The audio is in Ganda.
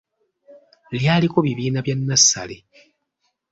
Lyaliko bibiina bya nnassale.